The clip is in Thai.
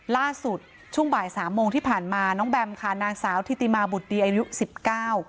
ล่าสุดช่วงบ่ายสามโมงที่ผ่านมาน้องแบมค่ะนางสาวทิติมาบุตรดีอายุสิบเก้า